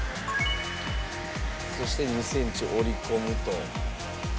そして２センチ折り込むと。